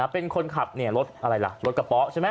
เป็นคนขับรถกะเปาะใช่ไหม